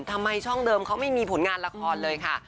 ทำไมช่องเดิมเขาไม่มีผลงานละครเลยค่ะ